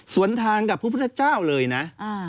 สวนทางกับพระพุทธเจ้าเลยนะ